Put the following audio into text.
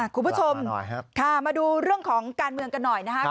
คุณผู้ชมค่ะมาดูเรื่องของการเมืองกันหน่อยนะครับ